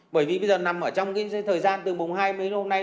bởi vì bây giờ nằm ở trong cái thời gian từ mùng hai mấy hôm nay